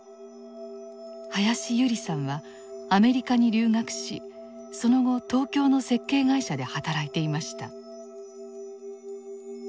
林優里さんはアメリカに留学しその後東京の設計会社で働いていました。